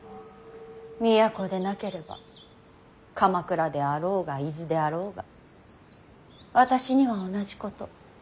都でなければ鎌倉であろうが伊豆であろうが私には同じこと。